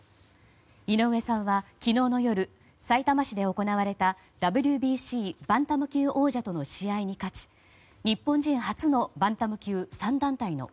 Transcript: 井上さんは昨日の夜さいたま市で行われたＷＢＣバンタム級王者との試合に勝ち日本人初のバンタム級３団体の